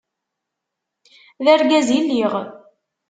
D argaz i lliɣ.